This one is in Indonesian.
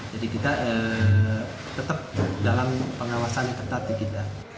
jadi kita tetap dalam pengawasan ketat